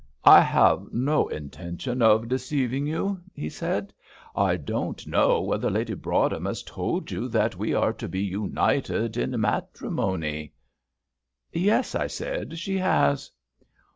"I have no intention of deceiving you," he said. "I don't know whether Lady Broadhem has told you that we are to be united in matrimony?" "Yes," I said, "she has."